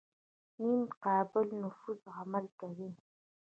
نیمه قابل نفوذ عمل کوي.